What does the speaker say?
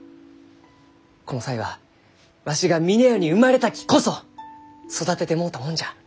この才はわしが峰屋に生まれたきこそ育ててもろうたもんじゃ。